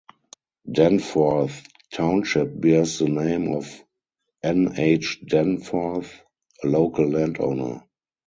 Danforth Township bears the name of N. H. Danforth, a local landowner.